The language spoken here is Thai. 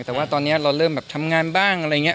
แต่ว่าตอนนี้เราเริ่มแบบทำงานบ้างอะไรอย่างนี้